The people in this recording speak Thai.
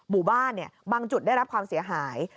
บุบานเนี่ยบางจุดได้รับความเสียหาย